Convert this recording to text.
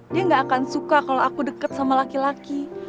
dia gak akan suka kalau aku dekat sama laki laki